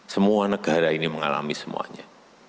semua negara ini mengalami semuanya